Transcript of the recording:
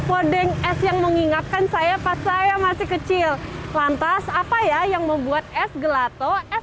podeng es yang mengingatkan saya pas saya masih kecil lantas apa ya yang membuat es gelato es